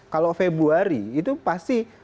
kalau februari itu pasti